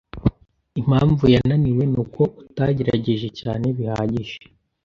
Impamvu yananiwe nuko utagerageje cyane bihagije.